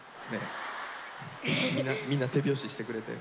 みんな手拍子してくれたよ。